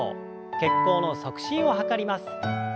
血行の促進を図ります。